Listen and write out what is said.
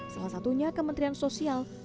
salah satunya kementerian sosial